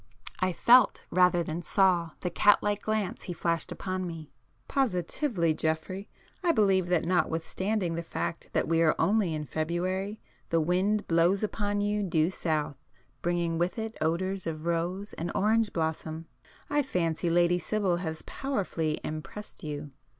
I felt rather than saw the cat like glance he flashed upon me. "Positively, Geoffrey, I believe that notwithstanding the fact that we are only in February, the wind blows upon you [p 92] due south, bringing with it odours of rose and orange blossom! I fancy Lady Sibyl has powerfully impressed you?"